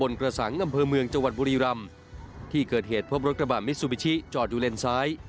กระสังอำเภอเมืองจังหวัดบุรีรำที่เกิดเหตุพบรถกระบะมิซูบิชิจอดอยู่เลนซ้าย